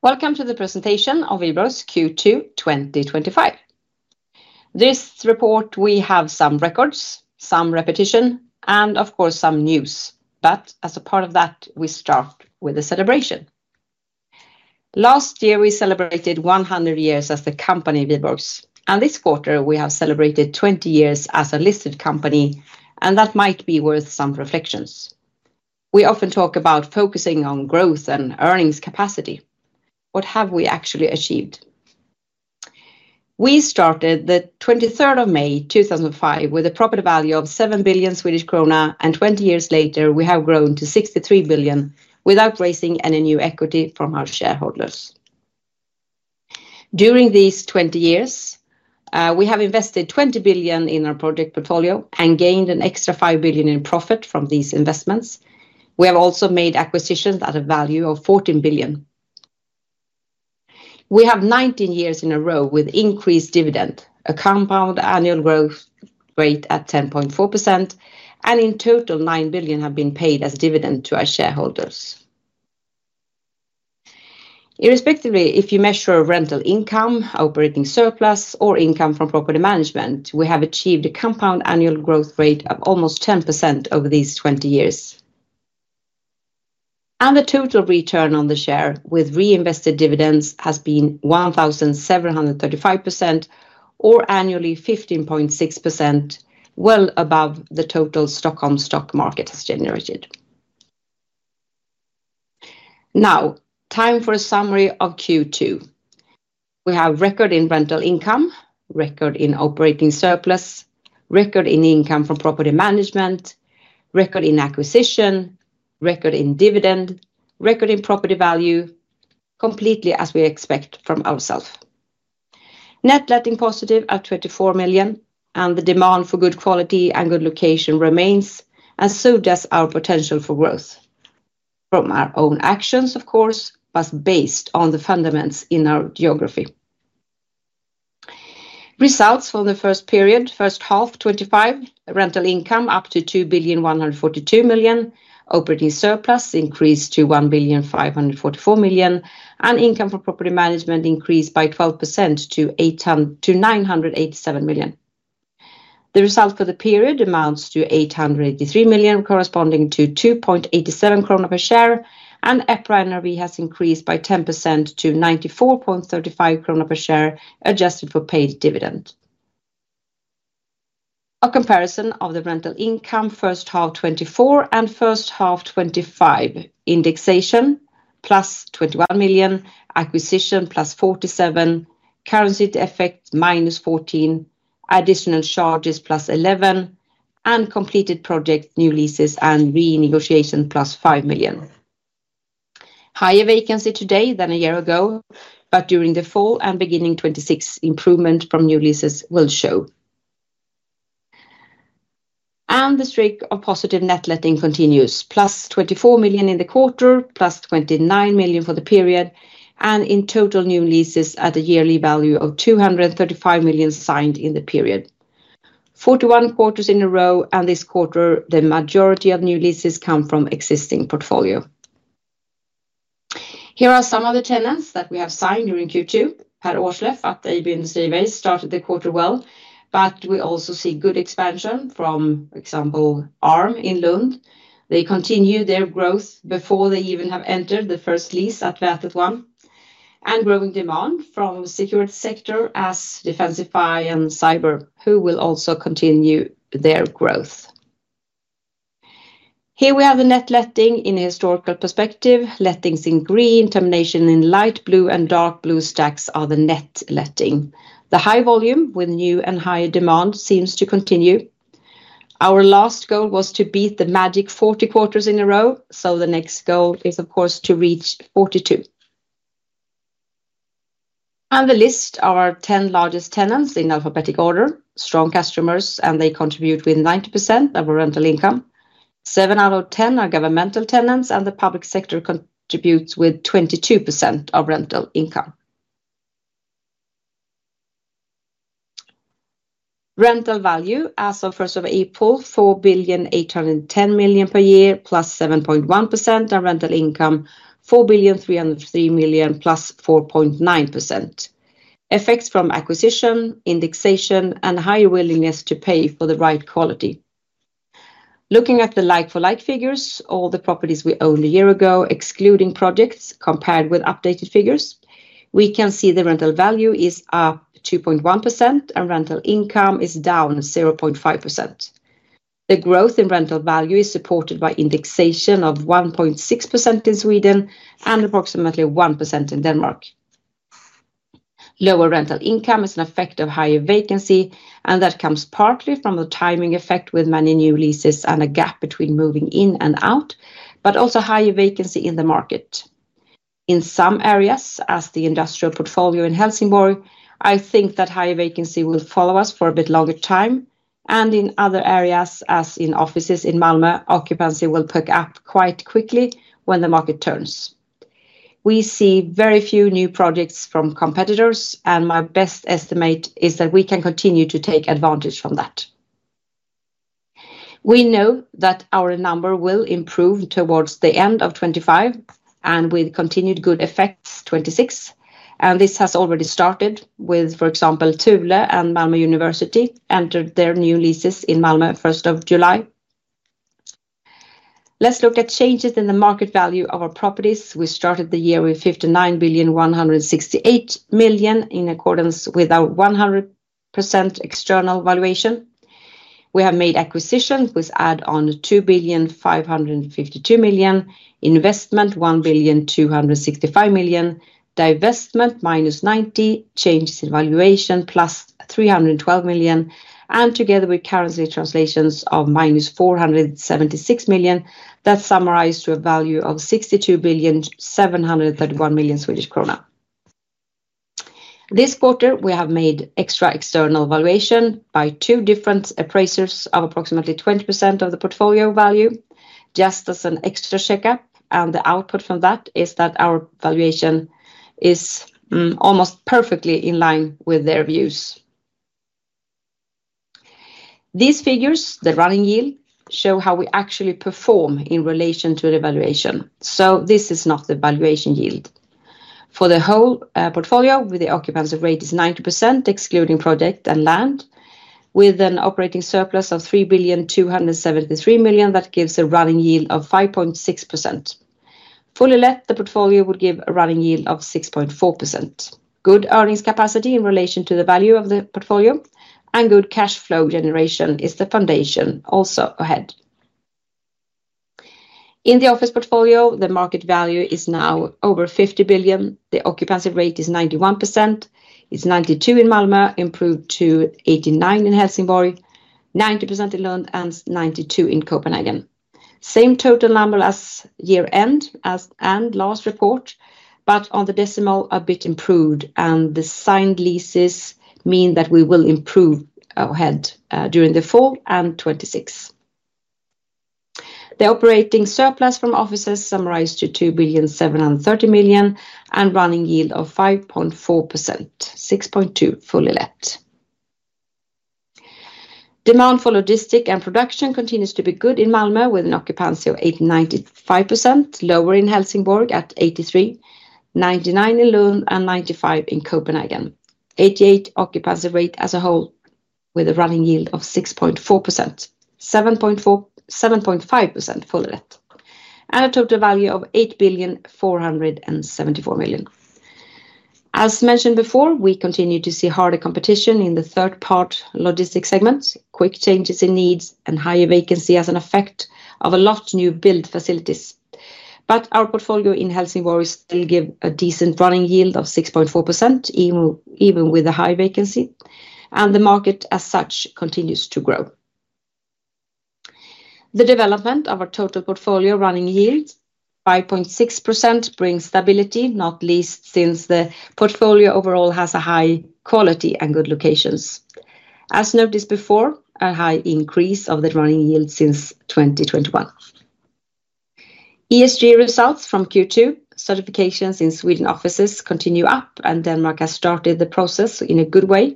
Welcome to the presentation of Wihlborgs Q2 2025. This report we have some records, some repetition, and of course some news. As a part of that, we start with a celebration. Last year we celebrated 100 years as the company Wihlborgs. This quarter we have celebrated 20 years as a listed company. That might be worth some reflections. We often talk about focusing on growth and earnings capacity. What have we actually achieved? We started 23 May 2005 with a property value of 7 billion Swedish krona. Twenty years later we have grown to 63 billion without raising any new equity from our shareholders. During these 20 years we have invested 20 billion in our project portfolio and gained an extra 5 billion in profit from these investments. We have also made acquisitions at a value of 14 billion. We have 19 years in a row with increased dividend, a compound annual growth rate at 10.4%, and in total 9 billion have been paid as dividend to our shareholders. Irrespectively, if you measure rental income, operating surplus, or income from property management, we have achieved a compound annual growth rate of almost 10% over these 20 years. The total return on the share with reinvested dividends has been 1,735% or annually 15.6%, well above the total Stockholm stock market has generated. Now time for a summary of Q2. We have record in rental income, record in operating surplus, record in income from property management, record in acquisition, record in dividend, record in property value, completely as we expect from ourselves. Net letting positive at 24 million. The demand for good quality and good location remains. So does our potential for growth from our own actions, of course, based on the fundaments in our geography. Results from the first period. First half 2025 rental income up to 2,142,000,000, operating surplus increased to 1,544,000,000, and income from property management increased by 12% to 987,000,000. The result for the period amounts to 883,000,000, corresponding to 2.87 krona per share. EPRA NRV has increased by 10% to 94.35 krona per share, adjusted for paid dividends. A comparison of the rental income first half 2024 and first half 2025: indexation +21 million, acquisition plus 47 million, currency effect -14 million, additional charges +11 million, and completed project, new leases, and renegotiation +5 million. Higher vacancy today than a year ago, but during the fall and beginning 2026 improvement from new leases will show and the streak of positive net letting continues, +24 million in the quarter, +29 million for the period. In total, new leases at a yearly value of 235 million signed in the period, 41 quarters in a row. This quarter, the majority of new leases come from existing portfolio. Here are some of the tenants that we have signed during Q2: [Per Oslof] at ABG Sundal Collier restarted the quarter well, but we also see good expansion from, for example, ARM in Lund. They continue their growth before they even have entered the first lease at Värd 1 and growing demand from the secured sector as Defendify and Cyber who will also continue their growth. Here we have the net letting in a historical perspective. Lettings in green, termination in light blue, and dark blue stacks are the net letting. The high volume with new and higher demand seems to continue. Our last goal was to beat the magic 40 quarters in a row. The next goal is of course to reach 42. On the list are 10 largest tenants in alphabetic order, strong customers, and they contribute with 90% of rental income. 7 out of 10 are governmental tenants and the public sector contributes with 22% of rental income. Rental value as of 1st of April 4,810,000,000 per year, +7.1% on rental income, 4,303,000,000, +4.9% effects from acquisition, indexation, and higher willingness to pay for the right quality. Looking at the like-for-like figures, all the properties we owned a year ago, excluding projects, compared with updated figures, we can see the rental value is up 2.1% and rental income is down 0.5%. The growth in rental value is supported by indexation of 1.6% in Sweden and approximately 1% in Denmark. Lower rental income is an effect of higher vacancy and that comes partly from the timing effect with many new leases and a gap between moving in and out, but also higher vacancy in the market. In some areas, as the industrial portfolio in Helsingborg, I think that higher vacancy will follow us for a bit longer time. In other areas, as in offices in Malmö, occupancy will pick up quite quickly when the market turns. We see very few new projects from competitors and my best estimate is that we can continue to take advantage from that. We know that our number will improve towards the end of 2025 and with continued good effects, 2026. This has already started with, for example, Tuvalu and Malmö University entered their new leases in Malmö 1st of July. Let's look at changes in the market value of our properties. We started the year with 59,168,000,000. In accordance with our 100% external valuation, we have made acquisitions with add-on 2,552,000,000, investment 1,265,000,000, divestment -90, changes in valuation +312,000,000, and together with currency translations of -476,000,000. That summarizes to a value of 62,731,000,000 Swedish krona. This quarter, we have made extra external valuation by two different appraisers of approximately 20% of the portfolio value, just as an extra checkup. The output from that is that our valuation is almost perfectly in line with their views. These figures, the running yield, show how we actually perform in relation to the valuation. This is not the valuation yield for the whole portfolio, with the occupancy rate at 90%, excluding project and land. With an operating surplus of 3,273,000,000, that gives a running yield of 5.6%. Fully let, the portfolio would give a running yield of 6.4%. Good earnings capacity in relation to the value of the portfolio and good cash flow generation is the foundation. Also, ahead in the office portfolio, the market value is now over 50 billion. The occupancy rate is 91%. It's 92% in Malmö, improved to 89% in Helsingborg, 90% in Lund, and 92% in Copenhagen. Same total number as year end and last report, but on the decimal a bit improved. The signed leases mean that we will improve ahead during the fall and 2026. The operating surplus from offices summarized to 2,730,000,000 and running yield of 5.4%. 6.2% fully let. Demand for logistics and production continues to be good in Malmö with an occupancy of 89%. Lower in Helsingborg at 83%, 99% in Lund, and 95% in Copenhagen. 88% occupancy rate as a whole with a running yield of 6.4%, 7.5% for the net, and a total value of 8,474,000,000. As mentioned before, we continue to see harder competition in the third-party logistics segments, quick changes in needs, and higher vacancy as an effect of a lot of new build facilities. Our portfolio in Helsingborg still gives a decent running yield of 6.4%, even with a high vacancy, and the market as such continues to grow. The development of our total portfolio running yields 5.6% brings stability, not least since the portfolio overall has a high quality and good locations. As noticed before, a high increase of the running yield since 2021. ESG results from Q2: certifications in Sweden offices continue up and Denmark has started the process in a good way.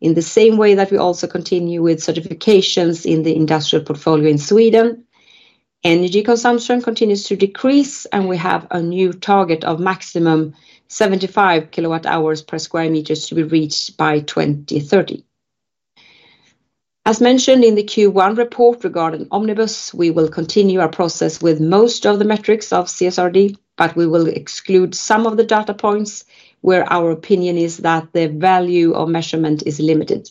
In the same way, we also continue with certifications in the industrial portfolio. In Sweden, energy consumption continues to decrease and we have a new target of maximum 75 kW hours per square meter to be reached by 2030. As mentioned in the Q1 report regarding Omnibus, we will continue our process with most of the metrics of CSRD, but we will exclude some of the data points where our opinion is that the value of measurement is limited.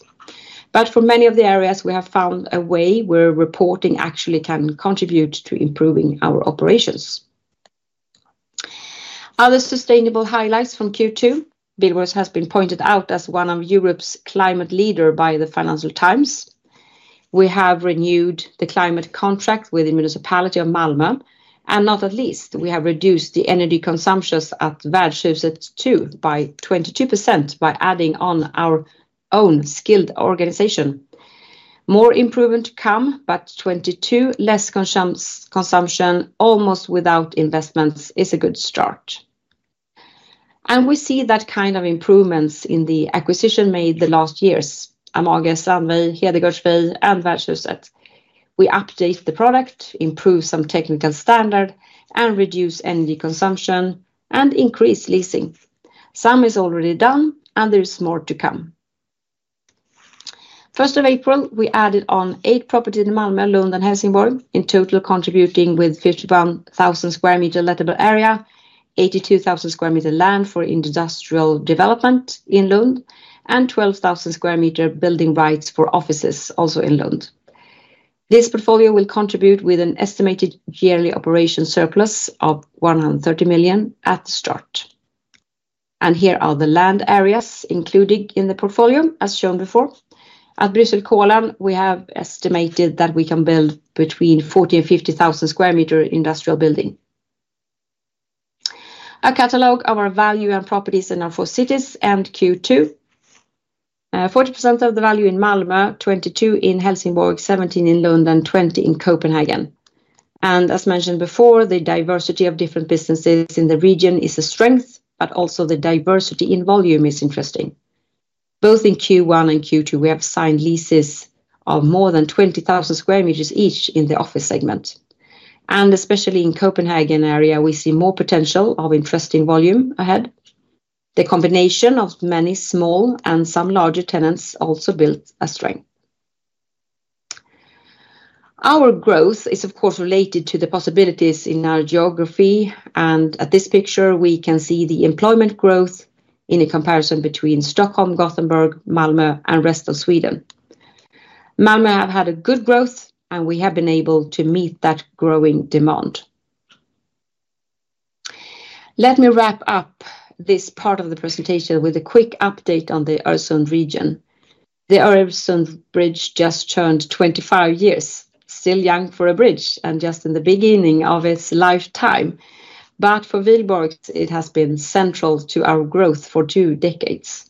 For many of the areas, we have found a way where reporting actually can contribute to improving our operations. Other sustainable highlights from Q2: Wihlborgs has been pointed out as one of Europe's climate leaders by the Financial Times. We have renewed the climate contract with the municipality of Malmö and not at least we have reduced the energy consumption at Vasakronan 2 by 22%. By adding on our own skilled organization, more improvement comes, but 22% less consumption almost without investments is a good start. We see that kind of improvements in the acquisitions made the last years: Amager, Sandviken, [Hedgesville], and Vasakronan. We updated the product, improved some technical standard, reduced energy consumption, and increased leasing. Some is already done and there's more to come. On April 1, we added on 8 properties in Malmö, Lund, and Helsingborg, in total contributing with 51,000 square meter lettable area, 82,000 square meter land for industrial development in Lund, and 12,000 square meter building rights for offices also in Lund. This portfolio will contribute with an estimated yearly operating surplus of 130 million at the start. Here are the land areas included in the portfolio as shown before. At Bronsålderskullen, we have estimated that we can build between 40,000 and 50,000 square meter industrial building. A catalogue of our value and properties in our four cities end Q2: 40% of the value in Malmö, 22% in Helsingborg, 17% in Lund, 20% in Copenhagen. As mentioned before, the diversity of different businesses in the region is a strength, but also the diversity in volume is interesting. Both in Q1 and Q2, we have signed leases of more than 20,000 square meters each. In the office segment and especially in the Copenhagen area, we see more potential of interesting volume ahead. The combination of many small and some larger tenants also built a strength. Our growth is of course related to the possibilities in our geography and at this picture we can see the employment growth in a comparison between Stockholm, Gothenburg, Malmö and Rest of Sweden. Malmö have had a good growth and we have been able to meet that growing demand. Let me wrap up this part of the presentation with a quick update on the Öresund region. The Öresund Bridge just turned 25 years. Still young for a bridge and just in the beginning of its lifetime. For Wihlborgs it has been central to our growth for two decades.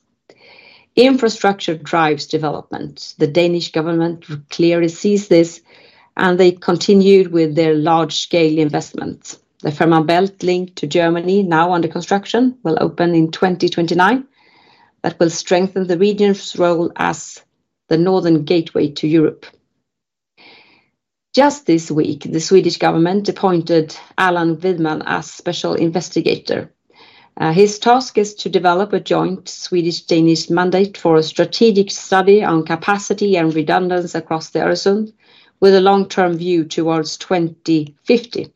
Infrastructure drives development. The Danish government clearly sees this and they continued with their large scale investments. The Fehmarn Belt, linked to Germany, now under construction, will open in 2029. That will strengthen the region's role as the northern gateway to Europe. Just this week the Swedish government appointed Allan Widman as special investigator. His task is to develop a joint Swedish Danish mandate for a strategic study on capacity and redundancy across the Öresund with a long term view towards 2050.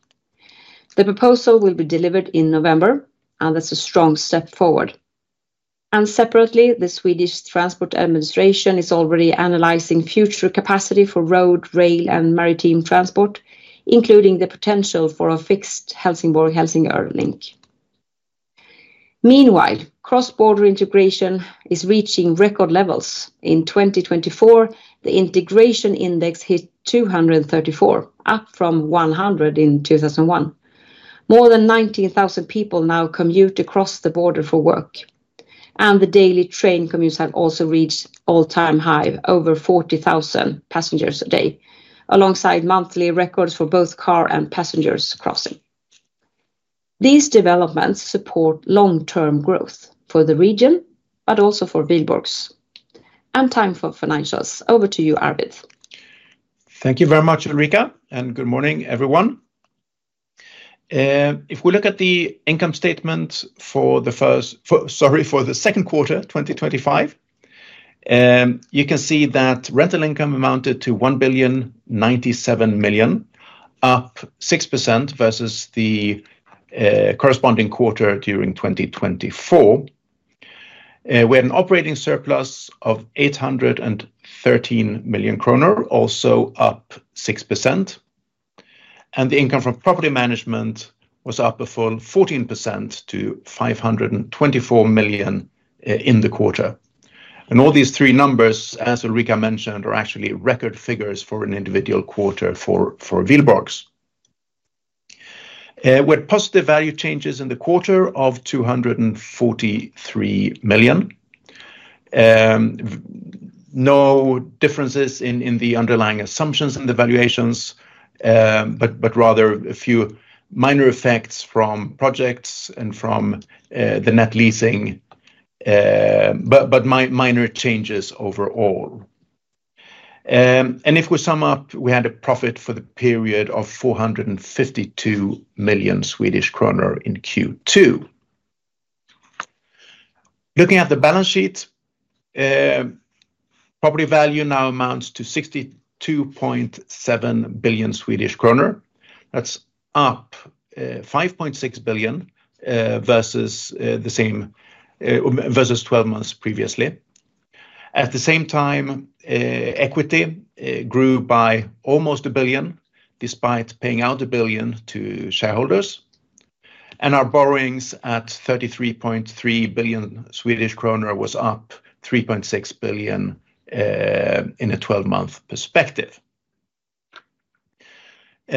The proposal will be delivered in November and that's a strong step forward. Separately, the Swedish Transport Administration is already analyzing future capacity for road, rail and maritime transport, including the potential for a fixed Helsingborg-Helsingør link. Meanwhile, cross border integration is reaching record levels. In 2024 the integration index hit 234, up from 100 in 2001. More than 19,000 people now commute across the border for work. The daily train commutes have also reached all time high. Over 40,000 passengers a day. Alongside monthly records for both car and passengers crossing. These developments support long term growth for the region, but also for Wihlborgs and time for financials. Over to you Arvid. Thank you very much Ulrika and good morning everyone. If we look at the income statement for the second quarter 2025, you can see that rental income amounted to 1,097,000,000, up 6% versus the corresponding quarter during 2024. We had an operating surplus of 813 million kronor, also up 6%, and the income from property management was up a full 14% to 524 million in the quarter. All these three numbers, as Ulrika mentioned, are actually record figures for an individual quarter for Wihlborgs, with positive value changes in the quarter of 243 million. No differences in the underlying assumptions and the valuations, but rather a few minor effects from projects and from the net letting. Minor changes overall. If we sum up, we had a profit for the period of 452 million Swedish kronor in Q2. Looking at the balance sheet, property value now amounts to 62.7 billion Swedish kronor. That's up 5.6 billion versus 12 months previously. At the same time, equity grew by almost 1 billion despite paying out 1 billion to shareholders. Our borrowings at 33.3 billion Swedish kronor was up 3.6 billion in a 12 month perspective.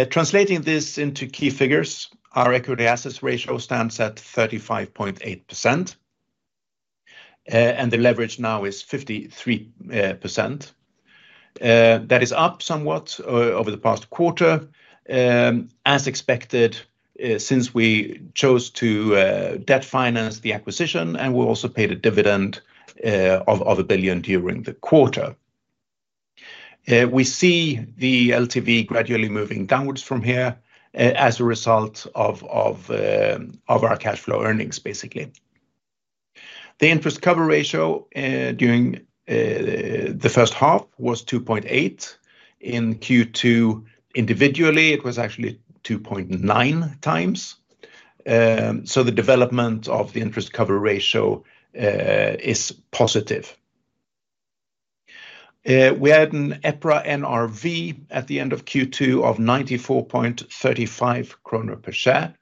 Translating this into key figures, our equity/assets ratio stands at 35.8% and the leverage now is 53%. That is up somewhat over the past quarter as expected since we chose to debt finance the acquisition and we also paid a dividend of 1 billion during the quarter. We see the LTV gradually moving downwards from here as a result of our cash flow earnings. Basically, the interest coverage ratio during the first half was 2.8 in Q2. Individually it was actually 2.9x. The development of the interest coverage ratio is positive. We had an EPRA NRV at the end of Q2 of 94.35 kronor per share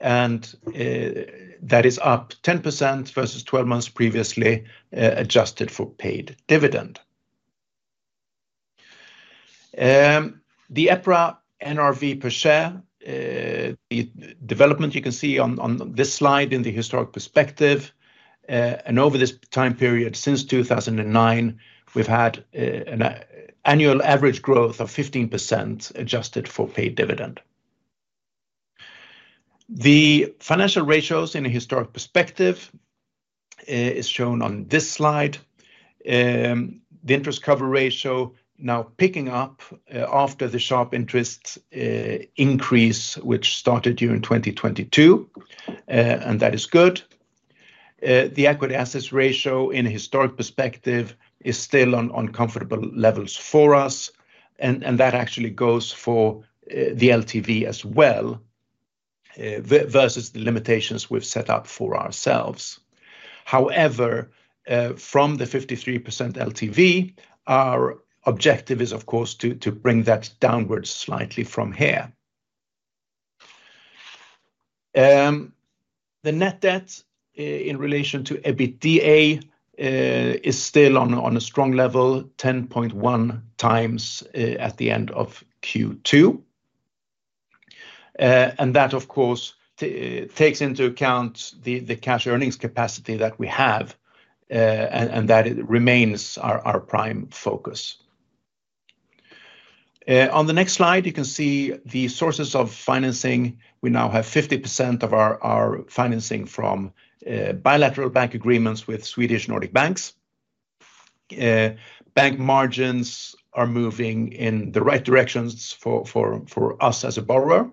and that is up 10% versus 12 months previously, adjusted for paid dividend. The EPRA NRV per share development you can see on this slide in the historic perspective. Over this time period since 2009 we've had an annual average growth of 15% adjusted for paid dividend. The financial ratios in a historic perspective is shown on this slide. The interest coverage ratio now picking up after the sharp interest increase which started during 2022 and that is good. The equity/assets ratio in a historic perspective is still on uncomfortable levels for us and that actually goes for the LTV as well versus the limitations we've set up for ourselves. However, from the 53% LTV, our objective is of course to bring that downwards slightly from here. The net debt in relation to EBITDA is still on a strong level, 10.1x at the end of Q2, and that of course takes into account the cash earnings capacity that we have and that remains our prime focus. On the next slide you can see the sources of financing. We now have 50% of our financing from bilateral bank agreements with Swedish Nordic banks. Bank margins are moving in the right directions for us as a borrower,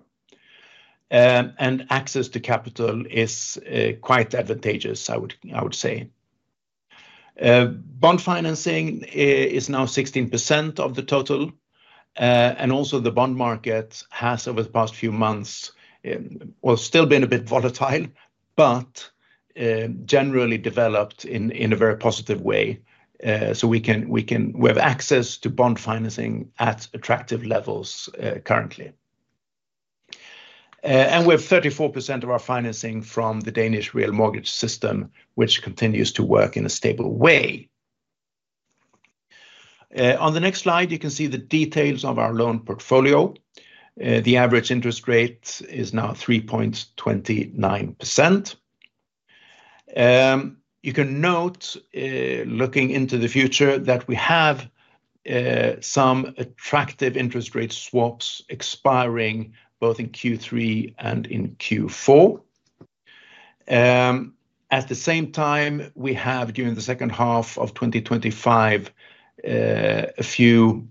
and access to capital is quite advantageous. I would say bond financing is now 16% of the total. The bond market has over the past few months still been a bit volatile, but generally developed in a very positive way. We have access to bond financing at attractive levels currently. We have 34% of our financing from the Danish real mortgage system, which continues to work in a stable way. On the next slide you can see the details of our loan portfolio. The average interest rate is now 3.29%. You can note, looking into the future, that we have some attractive interest rate swaps expiring both in Q3 and in Q4. At the same time, we have during the second half of 2025 a few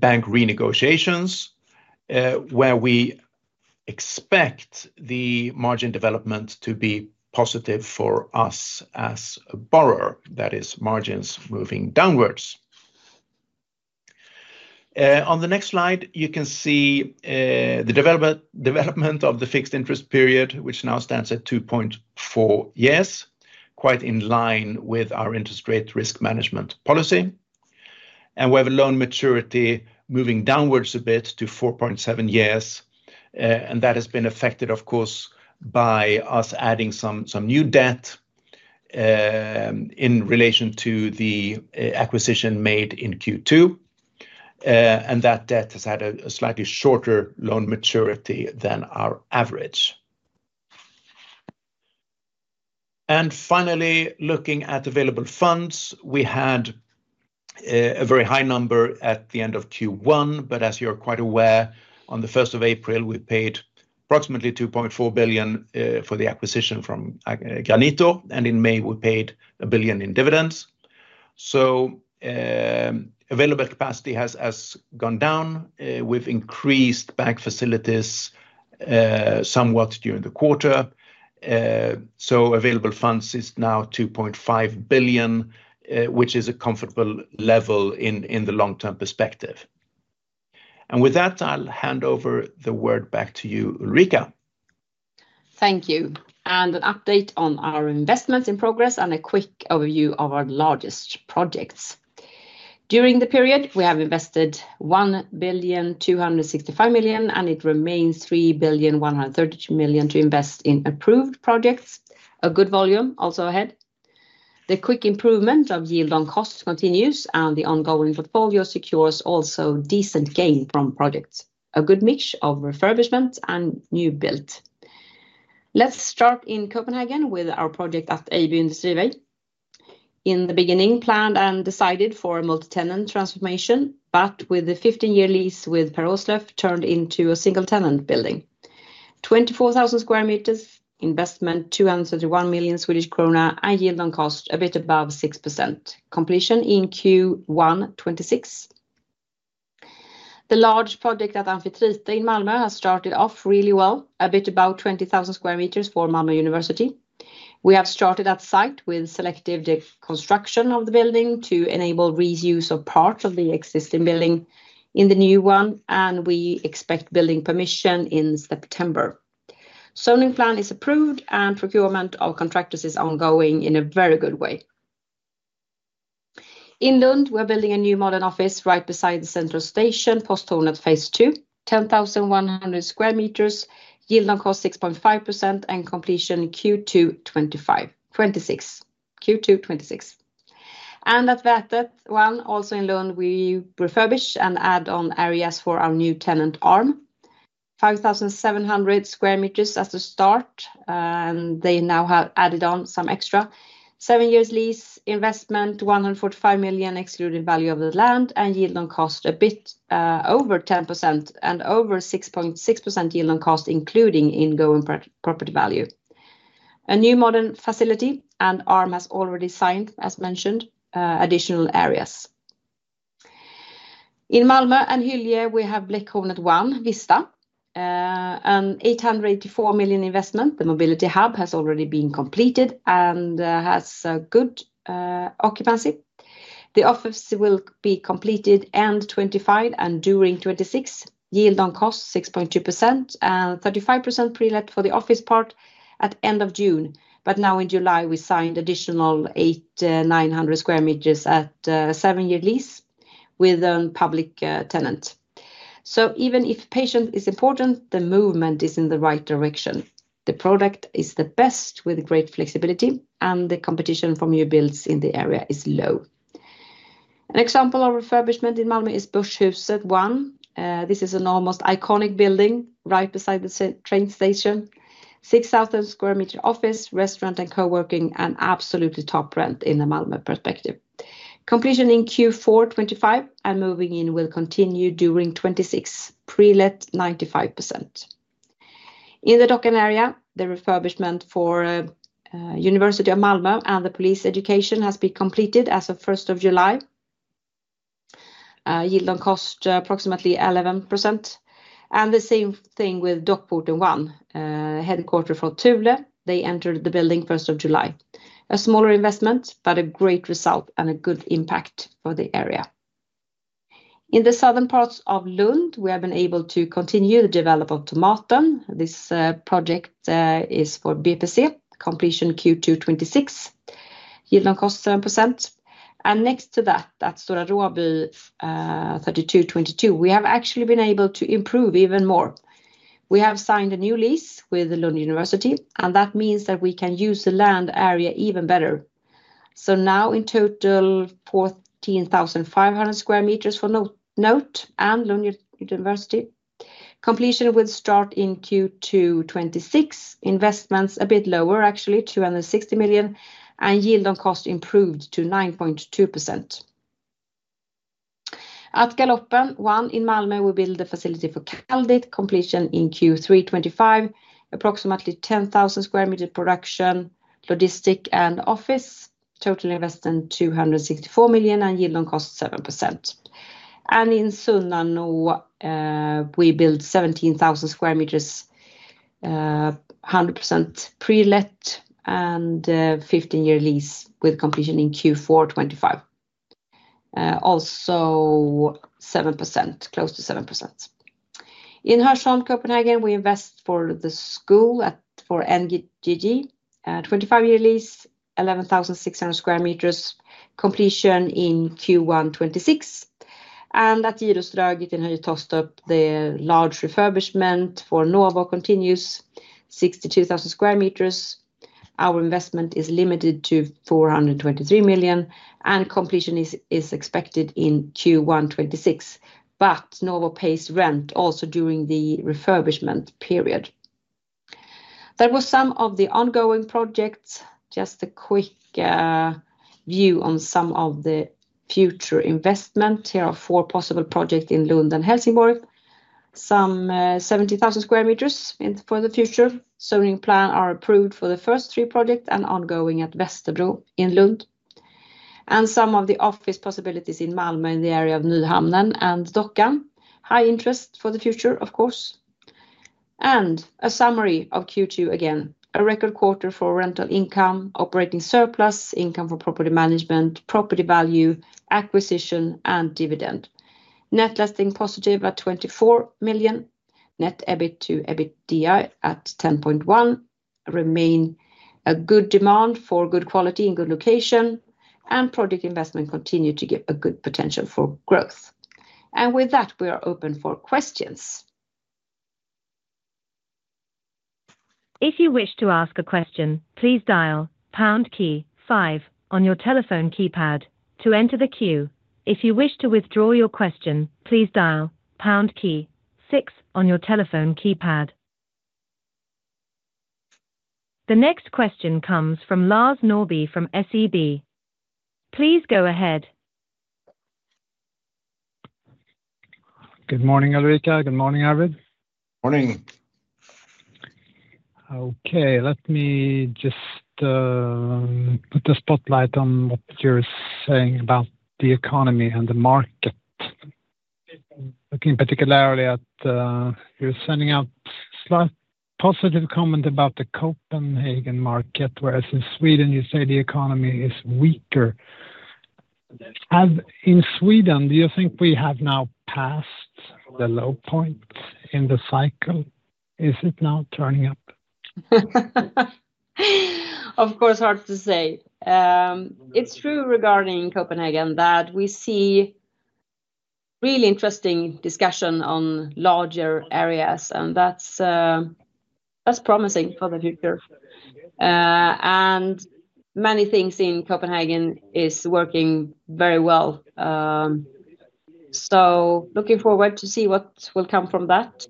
bank renegotiations where we expect the margin development to be positive for us as a borrower, that is, margins moving downwards. On the next slide you can see the development of the fixed interest period, which now stands at 2.4 years, quite in line with our interest rate risk management policy. We have a loan maturity moving downwards a bit to 4.7 years. That has been affected, of course, by us adding some new debt in relation to the acquisition made in Q2, and that debt has had a slightly shorter loan maturity than our average. Finally, looking at available funds, we had a very high number at the end of Q1, but as you're quite aware, on the 1st of April we paid approximately 2.4 billion for the acquisition from Gianvito. In May we paid 1 billion in dividends. Available capacity has gone down. We've increased bank facilities somewhat during the quarter, so available funds is now 2.5 billion, which is a comfortable level in the long-term perspective. With that, I'll hand over the word back to you, Ulrika. Thank you. An update on our investments in progress and a quick overview of our largest projects. During the period, we have invested 1,265,000,000 and it remains 3,132,000,000 to invest in approved projects. A good volume. Also ahead, the quick improvement of yield on cost continues and the ongoing portfolio secures also decent gain from projects. A good mix of refurbishments and new build. Let's start in Copenhagen with our project at EB Industri. In the beginning, planned and decided for a multi-tenant transformation, but with the 15-year lease with Peroeslev, turned into a single-tenant building, 24,000 square meters, investment 231 million Swedish krona and yield on cost a bit above 6%, completion in Q1 2026. The large project at Amphitrite Malmö has started off really well. A bit about 20,000 square meters for Malmö University. We have started that site with selective construction of the building to enable reuse of part of the existing building in the new one. We expect building permission in September. Zoning plan is approved and procurement of contractors is ongoing in a very good way. In Lund, we're building a new modern office right beside the Central Station, Posthornet phase two. 10,100 square meters, yield on cost 6.5% and completion Q2 2026. At Vertex One, also in Lund, we refurbish and add on areas for our new tenant ARM, 5,700 square meters as a start and they now have added on some extra, 7 years lease, investment 145 million, excluded value of the land and yield on cost a bit over 10% and over 6.6% yield on cost including ongoing property value. A new modern facility and ARM has already signed, as mentioned, additional areas. In Malmö and Hyllie, we have Black Hornet 1 Vista, an 884 million investment. The mobility hub has already been completed and has good occupancy. The office will be completed end 2025 and during 2026, yield on cost 6.2% and 35% pre-let for the office part at end of June. In July, we signed additional 8,900 square meters at 7-year lease with a public tenant. Even if patience is important, the movement is in the right direction. The product is the best with great flexibility and the competition from new builds in the area is low. An example of refurbishment in Malmö is Busshuset 1. This is an almost iconic building right beside the train station. 6,000 square meter office, restaurant and co-working and absolutely top rent in the Malmö perspective. Completion in Q4 2025 and moving in will continue during 2026, pre-let 95%. In the Dockan area, the refurbishment for Malmö University and the police education has been completed as of July 1. Yield on cost approximately 11%. The same thing with Dock Port and one headquarter for [Tuvalu]. They entered the building July 1. A smaller investment but a great result and a good impact for the area. In the southern parts of Lund, we have been able to continue the development of Tomaten. This project is for BFSA, completion Q2 2026, yield on cost 7%, and next to that at Stora Råby 3222, we have actually been able to improve even more. We have signed a new lease with Lund University, and that means that we can use the land area even better. Now in total 14,500 square meters for Note and Lund University, completion will start in Q2 2026. Investments a bit lower, actually 260 million, and yield on cost improved to 9.2%. At Gjuteriet 1 in Malmö, we build the facility for Caldit, completion in Q3 2025, approximately 10,000 square meters, production, logistics, and office. Total investment 264 million and yield on cost 7%. In Sunnanå, we build 17,000 square meters, 100% pre-let and 15-year lease with completion in Q4 2025. Also 7%, close to 7%. In Herlev, Copenhagen, we invest for the school for NGG, 25-year lease, 11,600 square meters, completion in Q1 2026. At Ørestads Boulevard Tostop, the large refurbishment for Novo continues, 62,000 square meters. Our investment is limited to 423 million and completion is expected in 2025, but Novo pays rent also during the refurbishment period. That was some of the ongoing projects. A quick view on some of the future investment: here are four possible projects in Lund and Helsingborg, some 70,000 square meters for the future. Zoning plans are approved for the first three projects and ongoing at Västerbro in Lund and some of the office possibilities in Malmö in the area of Nyhamnen and Dockan. There is high interest for the future, of course. A summary of Q2: again, a record quarter for rental income, operating surplus, income from property management, property value, acquisition, and dividend. Net letting positive at 24 million. Net EBIT to EBITDA at 10.1. There remains a good demand for good quality and good location, and project investment continues to give a good potential for growth. With that, we are open for questions. If you wish to ask a question, please dial pound key five on your telephone keypad to enter the queue. If you wish to withdraw your question, please dial pound key six on your telephone keypad. The next question comes from Lars Norrby from SEB. Please go ahead. Good morning, Ulrika. Good morning, Arvid. Morning. Okay, let me just put the spotlight on what you're saying about the economy and the market, looking particularly at you're sending out positive comment about the Copenhagen market, whereas in Sweden you say the economy is weaker. In Sweden, do you think we have now passed the low point in the cycle? Is it now turning up? Of course, hard to say. It's true regarding Copenhagen that we see really interesting discussion on larger areas, and that's promising for the future. Many things in Copenhagen are working very well. Looking forward to see what will come from that.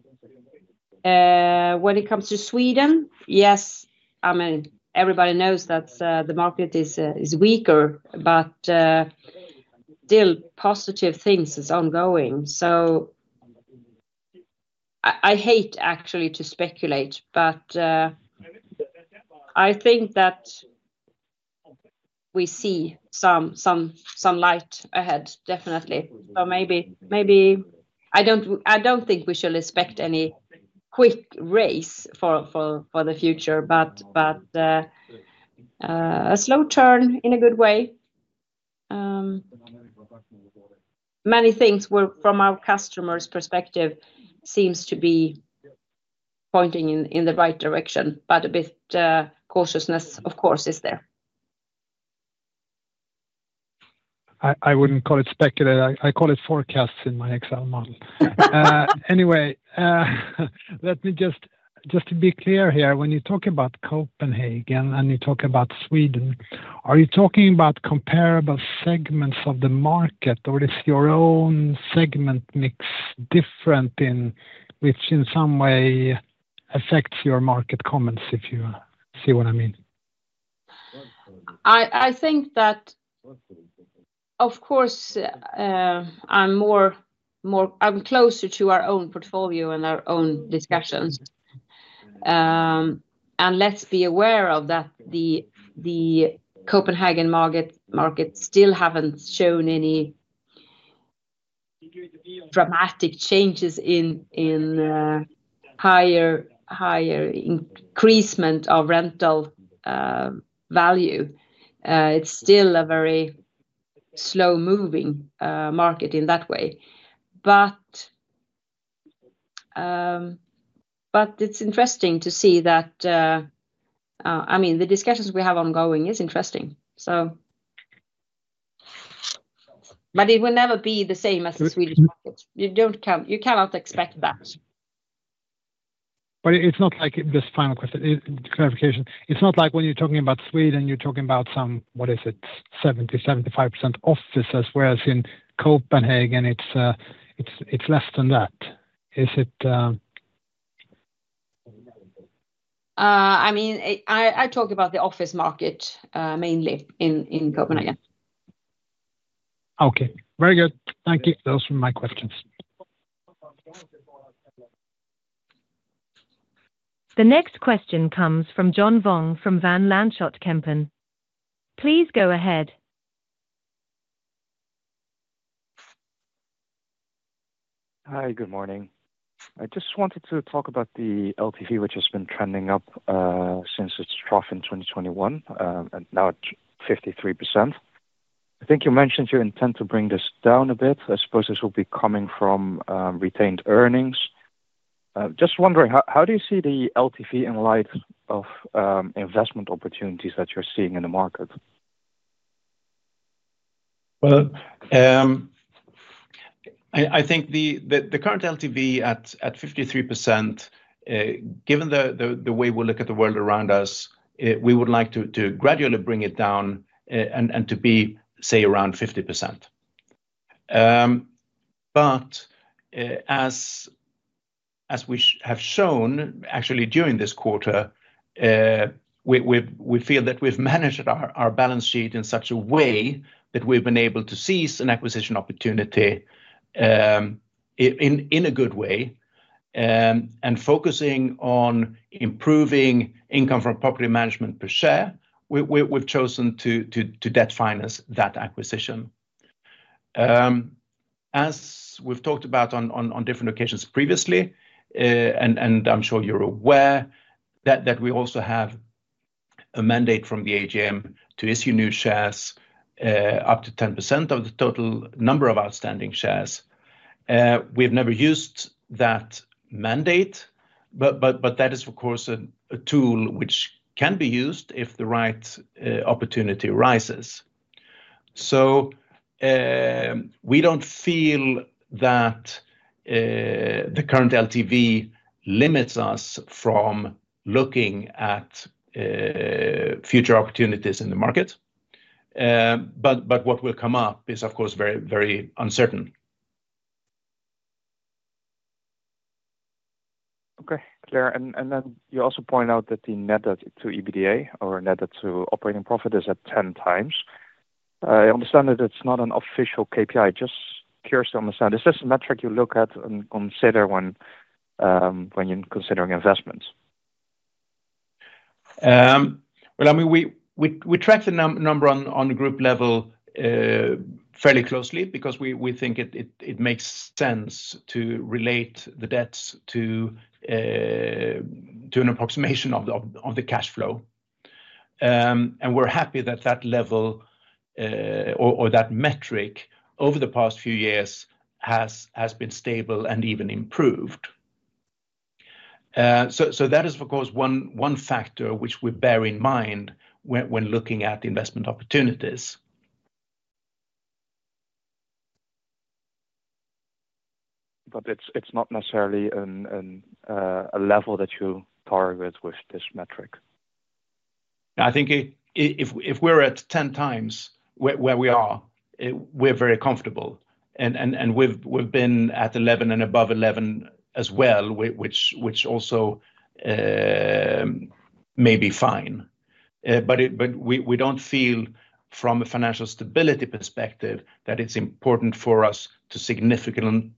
When it comes to Sweden, yes, I mean everybody knows that the market is weaker, but still positive things are ongoing. I hate actually to speculate, but I think that we see some light ahead definitely. Maybe I don't think we should expect any quick race for the future, but a slow turn in a good way. Many things from our customers' perspective seem to be pointing in the right direction, but a bit of cautiousness, of course, is there. I wouldn't call it speculative. I call it forecasts in my Excel model. Anyway, just to be clear here, when you talk about Copenhagen and you talk about Sweden, are you talking about comparable segments of the market or is your own segment mix different in which in some way affects your market? Comments, if you see what I mean. I think that of course I'm more, more. I'm closer to our own portfolio and our own discussions. Let's be aware of that. The Copenhagen market still hasn't shown any dramatic changes in higher increasement of rental value. It's still a very slow moving market in that way. It's interesting to see that. I mean the discussions we have ongoing is interesting. It will never be the same as the Swedish market. You don't count. You cannot expect that. It's not like this final question, clarification. It's not like when you're talking about Sweden, you're talking about some, what is it, 70, 75 offices? Where? Copenhagen. It's less than that, is it? I mean, I talk about the office market mainly in Copenhagen. Okay, very good. Thank you. Those were my questions. The next question comes from John Vuong from Van Lanschot Kempen. Please go ahead. Hi, good morning. I just wanted to talk about the LTV which has been trending up since its trough in 2021 and now at 53%. I think you mentioned you intend to bring this down a bit. I suppose this will be coming from retained earnings. Just wondering, how do you see the LTV in light of investment opportunities that you're seeing in the market? I think the current LTV at 53%, given the way we look at the world around us, we would like to gradually bring it down and to be say around 50%. As we have shown actually during this quarter, we feel that we've managed our balance sheet in such a way that we've been able to seize an acquisition opportunity in a good way. Focusing on improving income from property management per share, we've chosen to debt finance that acquisition. As we've talked about on different occasions previously, and I'm sure you're aware that we also have a mandate from the AGM to issue new shares up to 10% of the total number of outstanding shares. We have never used that mandate, but that is of course a tool which can be used if the right opportunity arises. We don't feel that the current LTV limits us from looking at future opportunities in the market. What will come up is of course, very, very uncertain. Okay, clear. You also point out that the net debt to EBITDA or net debt to operating profit is at 10x. I understand that it's not an official KPI. Just curious to understand, is this a metric you look at and consider when you're considering investments? I mean, we track the number on the group level fairly closely because we think it makes sense to relate the debts to an approximation of the cash flow. We're happy that that level or that metric over the past few years has been stable and even improved. That is of course one factor which we bear in mind when looking at investment opportunities. It is not necessarily a level that you target with this metric. I think if we're at 10x where we are, we're very comfortable, and we've been at 11 and above 11 as well, which also may be fine. We don't feel from a financial stability perspective that it's important for us to significantly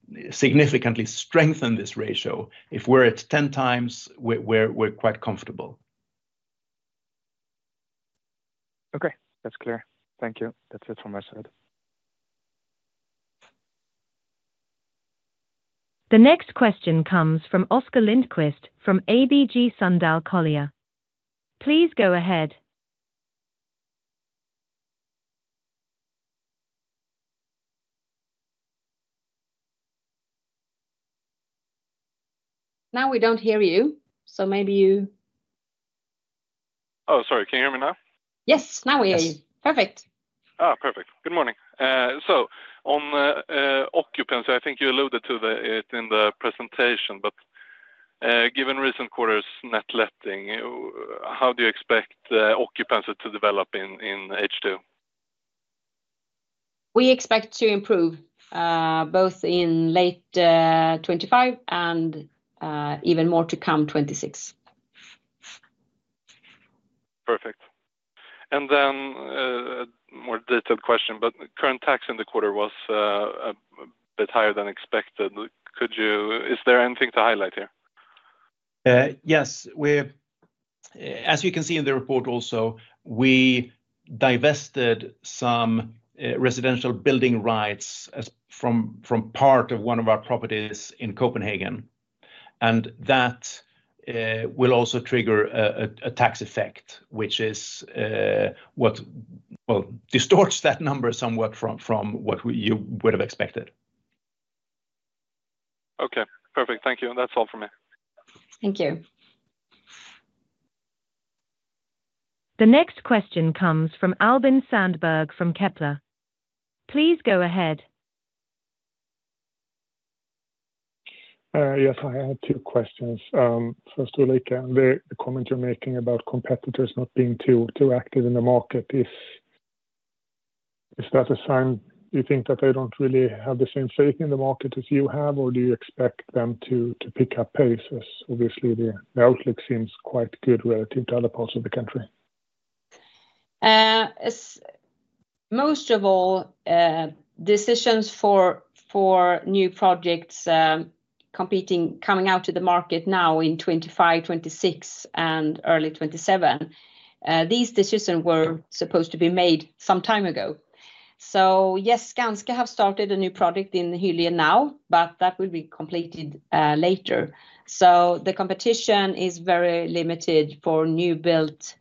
strengthen this ratio. If we're at 10x, we're quite comfortable. Okay, that's clear. Thank you. That's it from our side. The next question comes from Oscar Lindquist from ABG Sundal Collier, please go ahead. Now we don't hear you, so maybe you. Oh, sorry. Can you hear me now? Yes, now we hear you. Perfect. Perfect. Good morning. On occupancy, I think you alluded to it in the presentation, but given recent quarters net letting, how do you expect occupancy to develop in H2? We expect to improve both in late 2025 and even more to come in 2026. Perfect. A more detailed question, current tax in the quarter was a bit higher than expected. Could you, is there anything to highlight here? Yes, as you can see in the report also, we divested some residential building rights from part of one of our properties in Copenhagen, and that will also trigger a tax effect, which distorts that number somewhat from what you would have expected. Okay, perfect. Thank you. That's all for me. Thank you. The next question comes from Albin Sandberg from Kepler. Please go ahead. Yes, I had two questions. First of all, the comment you're making about competitors not being too active in the market, is that a sign you think that they don't really have the same faith in the market as you have, or do you expect them to pick up pace as obviously the outlook seems quite good relative to other parts of the country? Most of all, decisions for new projects competing coming out to the market now in 2025, 2026, and early 2027. These decisions were supposed to be made some time ago. Yes, Skanska have started a new project in Helsingborg now, but that will be completed later. The competition is very limited for new builds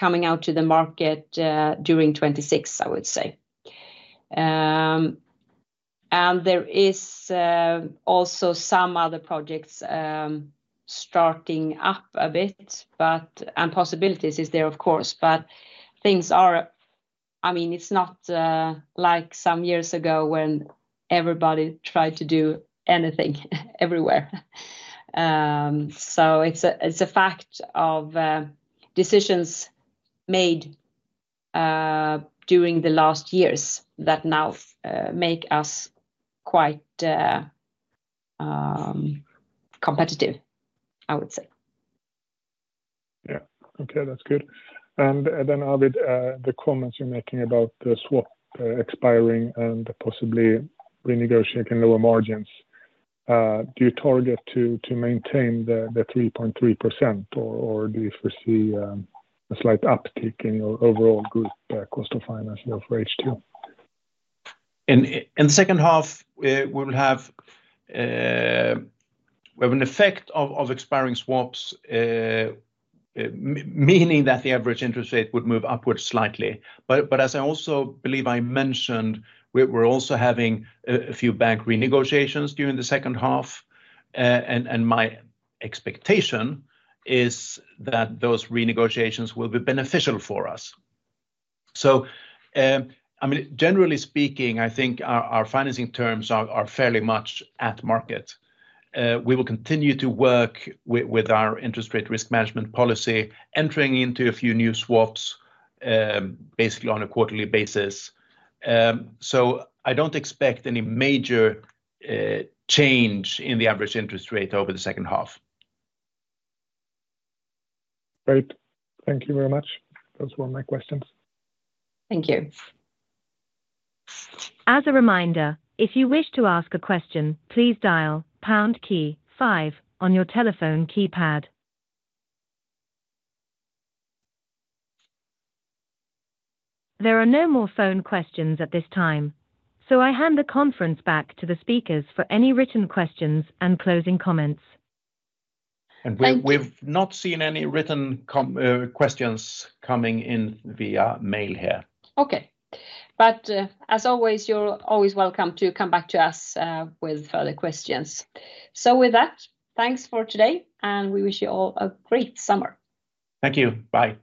coming out to the market during 2026, I would say. There are also some other projects starting up a bit, and possibilities. Is there? Of course, but things are. I mean, it's not like some years ago when everybody tried to do anything everywhere. It's a fact of decisions made during the last years that now make us quite competitive, I would say. Okay, that's good. Arvid, the comments you're making about the swap expiring and possibly renegotiating lower margins, do you target to maintain the 3.3% or do you foresee a slight uptick in your overall cost of finance for H2? In the second half, we will have an effect of expiring swaps, meaning that the average interest rate would move upwards slightly. As I also believe I mentioned, we're also having a few bank renegotiations during the second half. My expectation is that those renegotiations will be beneficial for us. Generally speaking, I think our financing terms are fairly much at market. We will continue to work with our interest rate risk management policy, entering into a few new swaps basically on a quarterly basis. I don't expect any major change in the average interest rate over the second half. Great. Thank you very much. Those were my questions. Thank you. As a reminder, if you wish to ask a question, please dial pound key five on your telephone keypad. There are no more phone questions at this time. I hand the conference back to the speakers for any written questions and closing comments. We've not seen any written questions coming in via mail here. As always, you're always welcome to come back to us with further questions. With that, thanks for today and we wish you all a great summer. Thank you. Bye.